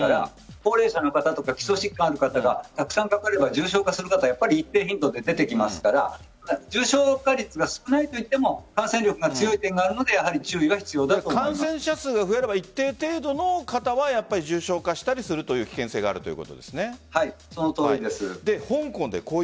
高齢者の方とか基礎疾患のある方がたくさんかかれば重症化する方は一定頻度で出てきますから重症化率が少ないといっても感染力が強い点があるので感染者数が増えれば一定程度の方は重症化したりするというそのとおりです。